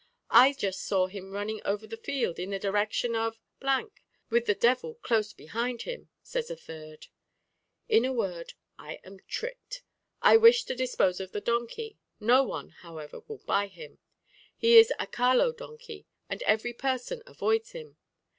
'I just saw him running over the field, in the direction of , with the devil close behind him,' says a third. In a word, I am tricked. I wish to dispose of the donkey: no one, however, will buy him; he is a Caló donkey, and every person avoids him.